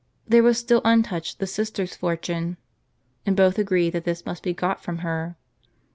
There was still untouched the sister's fortune ; and both agreed that this must be got from her.